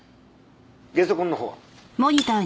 ゲソ痕のほうは？